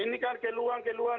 ini kan keluhan keluhan